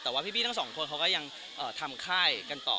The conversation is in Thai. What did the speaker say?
แต่ว่าพี่ทั้งสองคนเขาก็ยังทำค่ายกันต่อ